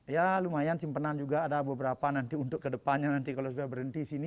ya lumayan simpenan juga ada beberapa nanti untuk kedepannya nanti kalau sudah berhenti sini